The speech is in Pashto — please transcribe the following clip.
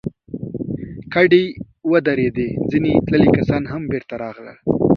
کډې ودرېدې، ځينې تللي کسان هم بېرته راغلل.